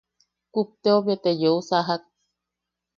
Kupteu bete yeusajak.